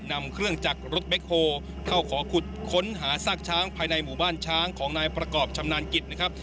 นำเครื่องจักรรถแบ็คโฮเข้าขอขุดค้นหาซากช้างภายในหมู่บ้านช้างของนายประกอบชำนาญกิจนะครับ